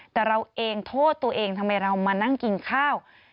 แต่เราเองโทษตัวเองทำไมเรามานั่งกินข้าว